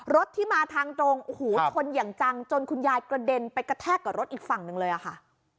รถที่มาทางตรงโอ้โหชนอย่างจังจนคุณยายกระเด็นไปกระแทกกับรถอีกฝั่งหนึ่งเลยอะค่ะ